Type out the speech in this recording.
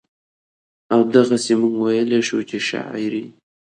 او دغسې مونږ وئيلے شو چې شاعري